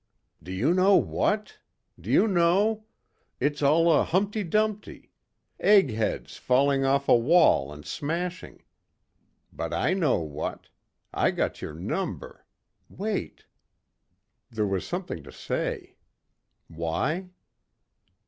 "Do you know what? Do you know? It's all a humpty dumpty. Egg heads falling off a wall and smashing. But I know what. I got your number. Wait...." There was something to say. Why?